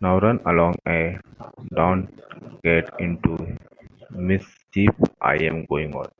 Now run along, and don't get into mischief. I am going out.